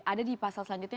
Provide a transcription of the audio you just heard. ada di pasal selanjutnya